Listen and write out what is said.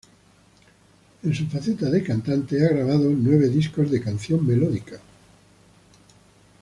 En su faceta de cantante ha grabado nueve discos de canción melódica.